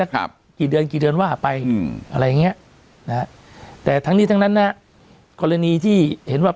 กี่เดือนกี่เดือนว่าไปอืมอะไรอย่างเงี้ยนะฮะแต่ทั้งนี้ทั้งนั้นนะฮะกรณีที่เห็นว่า